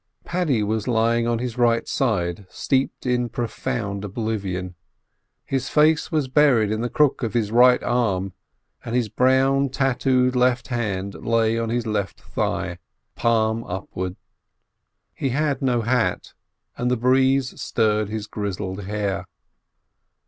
Paddy was lying on his right side steeped in profound oblivion. His face was buried in the crook of his right arm, and his brown tattooed left hand lay on his left thigh, palm upwards. He had no hat, and the breeze stirred his grizzled hair.